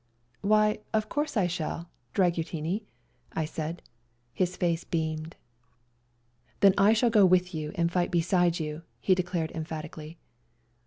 " Why, of course I shall, Dragoutini," I said. His face beamed. " Then I shall go with you and " SLAVA DAY " 233 fight beside you," he declared emphati cally.